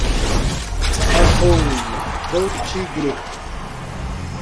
Arroio do Tigre